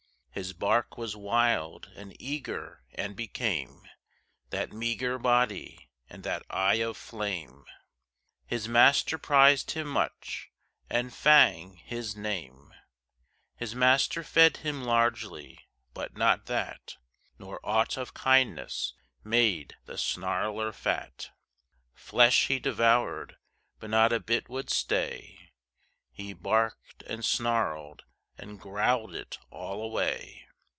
His bark was wild and eager, and became That meager body and that eye of flame; His master prized him much, and Fang his name, His master fed him largely, but not that Nor aught of kindness made the snarler fat. Flesh he devoured, but not a bit would stay He barked, and snarled, and growled it all away.